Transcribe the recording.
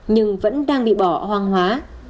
nhưng vẫn đang bị bỏ hoang hóa